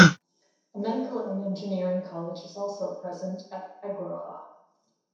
A Medical and Engineering college is also present at Agroha.